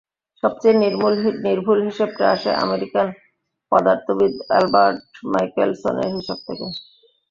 সবচেয়ে নির্ভুল হিসেবটা আসে অ্যামেরিকান পদার্থবিদ আলবার্ট মাইকেলসনের হিসাব থেকে।